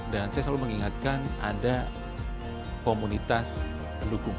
dan saya selalu mengingatkan ada komunitas lukung